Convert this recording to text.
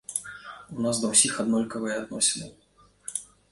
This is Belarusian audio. У нас да ўсіх аднолькавыя адносіны.